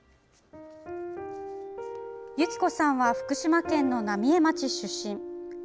由起子さんは福島県の浪江町出身。